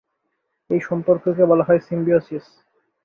এই সম্পর্ককে বলা হয় সিম্বিওসিস।